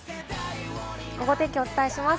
ゴゴ天気お伝えします。